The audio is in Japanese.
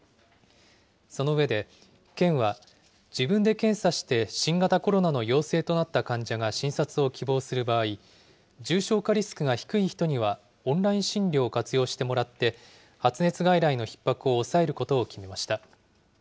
その上で、県は自分で検査して新型コロナの陽性となった患者が診察を希望する場合、重症化リスクが低い人にはオンライン診療を活用してもらって、発熱外来のひっ迫を抑えることを決めました。